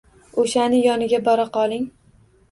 O`shani yoniga boraqoling